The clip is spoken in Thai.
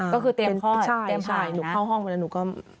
ก็คือเตียงคลอดเตียงผ่านะใช่หนูเข้าห้องไปแล้วหนูก็